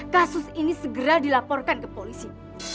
kasus ini segera dilaporkan ke polisi